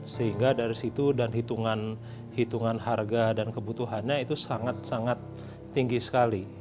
sehingga dari situ dan hitungan harga dan kebutuhannya itu sangat sangat tinggi sekali